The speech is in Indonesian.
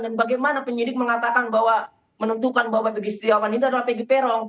dan bagaimana penyidik mengatakan bahwa menentukan bahwa pg setiawan itu adalah pg perong